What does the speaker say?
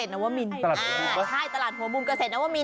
ตรงเรียบดวนเกษตรเซ็นท์น่าวมิน